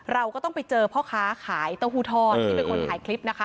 เราก็ต้องไปเจอพ่อค้าขายเต้าหู้ทอดที่เป็นคนถ่ายคลิปนะคะ